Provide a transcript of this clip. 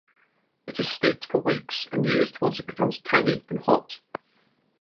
It is steeped for weeks and used once it becomes tangy and hot.